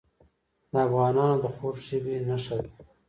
د افغانانو د خوږ ژبۍ نښه ده.